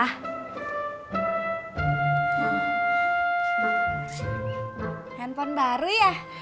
handphone baru ya